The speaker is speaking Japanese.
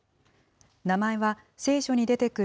名前は、聖書に出てくる